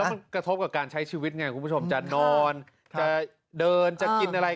มันกระทบกับการใช้ชีวิตไงคุณผู้ชมจะนอนจะเดินจะกินอะไร